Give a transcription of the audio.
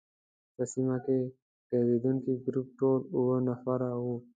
په سیمه کې ګرزېدونکي ګروپ ټول اووه نفره وو.